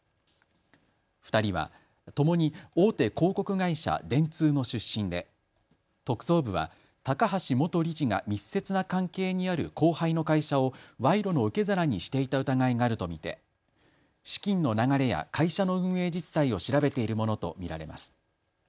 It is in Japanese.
２人はともに大手広告会社、電通の出身で特捜部は高橋元理事が密接な関係にある後輩の会社を賄賂の受け皿にしていた疑いがあると見て資金の流れや会社の運営実態を調べているものと見られます。